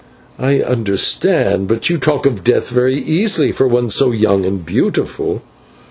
"I understand; but you talk of death very easily for one so young and beautiful."